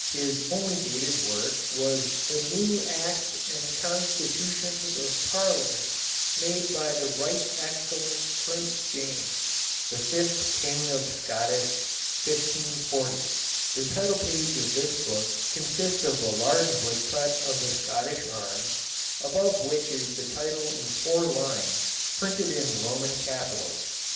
His only dated work was The Nevv Actis And Constitvtionis of Parliament Maid Be The Rycht Excellent Prince Iames The Fift Kyng of Scottis 1540. The title page of this book consists of a large woodcut of the Scottish arms, above which is the title in four lines printed in Roman capitals.